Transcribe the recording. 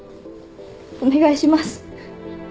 お願いします。